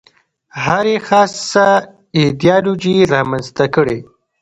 هرې خاصه ایدیالوژي رامنځته کړې.